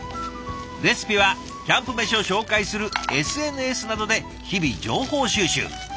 レシピはキャンプメシを紹介するＳＮＳなどで日々情報収集。